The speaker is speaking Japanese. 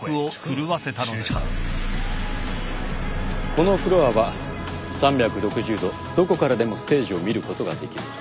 このフロアは３６０度どこからでもステージを見ることができる。